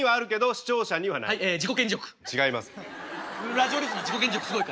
ラジオリスナー自己顕示欲すごいから。